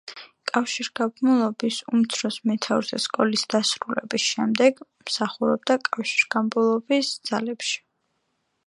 კავშირგაბმულობის უმცროს მეთაურთა სკოლის დასრულების შემდეგ, მსახურობდა კავშირგაბმულობის ძალებში.